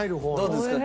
どうですか？